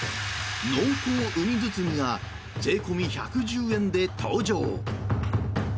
濃厚うに包み」が税込み１１０円で登場。